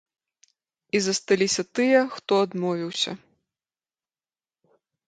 І засталіся тыя, хто адмовіўся.